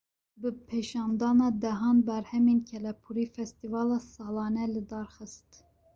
Bi pêşandana dehan berhemên kelepûrî, festîvala salane li dar xist